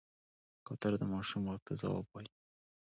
کوتره د ماشوم غږ ته ځواب وايي.